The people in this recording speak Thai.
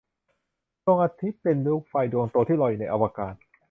ดวงอาทิตย์เป็นลูกไฟดวงโตที่ลอยอยู่ในอวกาศ